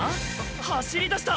走りだした！